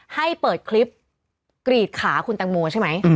ให้เปิดคลิปกรีดขาคุณแตงโมใช่ไหม